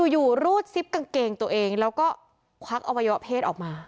อยู่รูดซิปกางเกงตัวเองแล้วก็ควักอวัยวะเพศออกมา